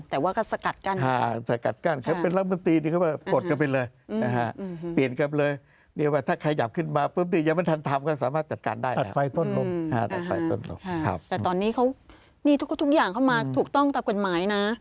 แต่ว่าก็สกัดกั้นอ่าสกัดกั้นใช่ไหมเป็นลามตีที่เขาว่าอ้า